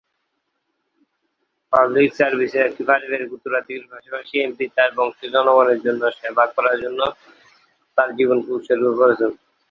Public সার্ভিসের একটি পারিবারিক উত্তরাধিকারী পাশাপাশি, এমপি তার বংশের জনগণের জন্য সেবা করার জন্য তার জীবনকে উৎসর্গ করেছেন।